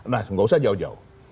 nah nggak usah jauh jauh